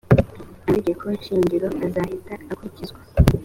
aya mategeko shingiro azahita akurikizwa